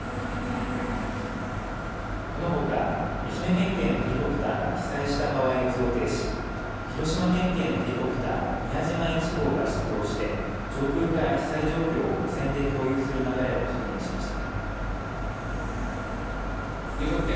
このほか愛媛県警のヘリコプターが被災した場合を想定し広島県警のヘリコプターみやじま１号が出動して上空から被災状況を無線で共有する流れを確認しました。